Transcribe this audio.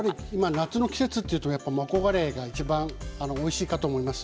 夏の季節というとマコガレイがいちばんおいしいかと思います。